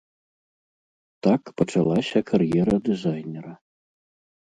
Так пачалася кар'ера дызайнера.